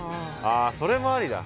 あそれもありだ。